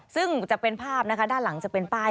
ซึ่งจะเป็นภาพนะคะด้านหลังจะเป็นป้าย